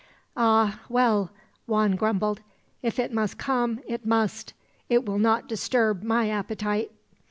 "Ah well," Juan grumbled. "If it must come, it must. It will not disturb my appetite."